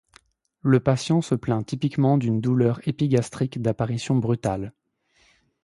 Le patient se plaint typiquement d'une douleur épigastrique d'apparition brutale.